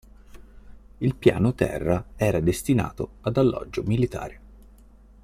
Il piano terra era destinato ad alloggio militare.